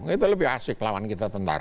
itu lebih asik lawan kita tentara